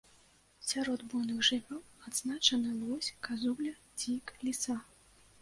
Сярод буйных жывёл адзначаны лось, казуля, дзік, ліса.